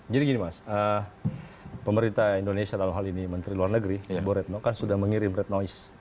jadi gini mas pemerintah indonesia dalam hal ini menteri luar negeri bo retno kan sudah mengirim red noise